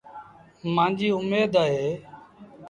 مآݩجيٚ اُميد اهي۔